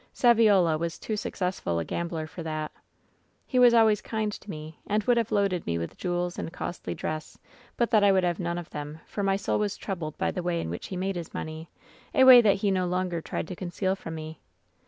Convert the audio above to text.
Saviola was too successful a gambler for that. "He was always kind to me, and would have loaded me with jewels and costly dress, but that I would have none of them, for my soul was troubled by the way in which he made his money — a way that he no longer tried to conceal from me.